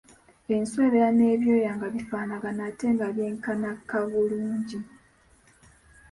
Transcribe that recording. Enswa ebeera n'ebyoya nga bifaanagana ate nga byenkanaka bulungi.